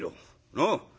なあ。